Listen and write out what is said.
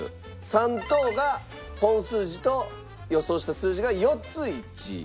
３等が本数字と予想した数字が４つ一致。